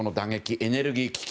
エネルギー危機